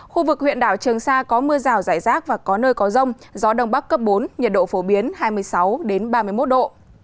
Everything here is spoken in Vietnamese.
khu vực huyện đảo trường sa có mưa rào rải rác và có nơi có rông gió đông bắc cấp bốn nhiệt độ phổ biến hai mươi sáu ba mươi một độ